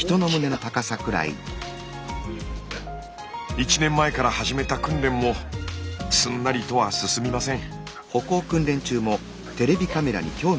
１年前から始めた訓練もすんなりとは進みません。